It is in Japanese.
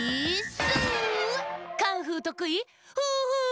カンフーとくい。